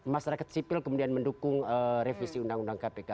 masyarakat sipil kemudian mendukung revisi undang undang kpk